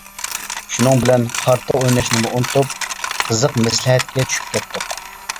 شۇنىڭ بىلەن قارتا ئويناشنىمۇ ئۇنتۇپ، قىزىق مەسلىھەتكە چۈشۈپ كەتتۇق.